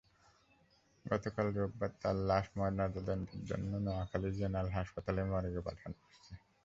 গতকাল রোববার তাঁর লাশ ময়নাতদন্তের জন্য নোয়াখালী জেনারেল হাসপাতালের মর্গে পাঠানো হয়েছে।